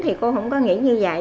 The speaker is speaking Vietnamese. thì cô không có nghĩ như vậy